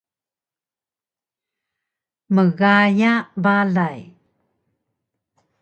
mgaya balay